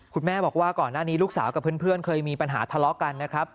คุณแม่บอกว่าก่อนหน้านี้ลูกสาวกับเพื่อนเคยมีปัญหาทะเลาะกันนะครับ